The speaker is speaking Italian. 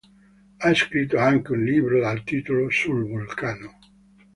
Ha scritto anche un libro dal titolo "Sul vulcano".